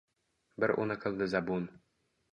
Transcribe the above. Biri uni qildi zabun